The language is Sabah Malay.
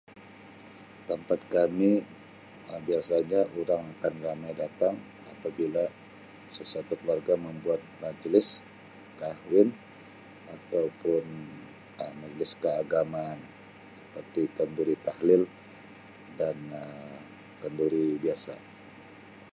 Tempat kami Um biasanya urang akan ramai datang apabila sesuatu keluarga membuat majlis, kahwin ataupun Um majlis keagamaan seperti kenduri tahlil dan Um kenduri biasa.